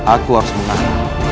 aku harus menang